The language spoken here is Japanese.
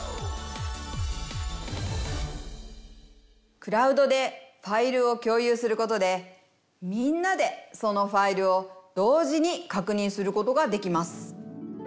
クラウドでファイルを共有することでみんなでそのファイルを同時に確認することができます。